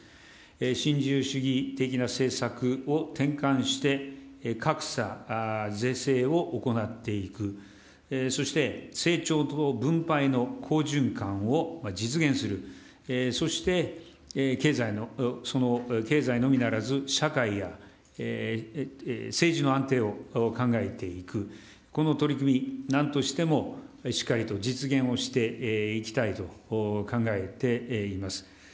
新自由主義的な政策を転換して、格差是正を行っていく、そして成長と分配の好循環を実現する、そして経済のみならず、社会や政治の安定を考えていく、この取り組み、なんとしてもしっかりと実現をしていきたいと考えています。